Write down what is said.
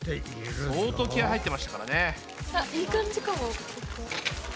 相当気合い入ってましたからね。